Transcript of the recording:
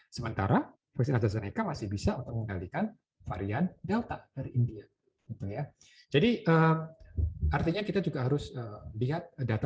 sementara vaksin astrazeneca masih bisa untuk mengendalikan varian delta dari india jadi artinya kita juga harus lihat data